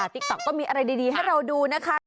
ติ๊กต๊อกก็มีอะไรดีให้เราดูนะคะ